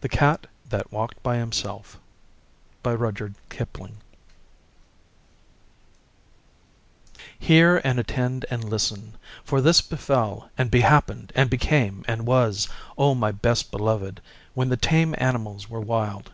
THE CAT THAT WALKED BY HIMSELF HEAR and attend and listen; for this befell and behappened and became and was, O my Best Beloved, when the Tame animals were wild.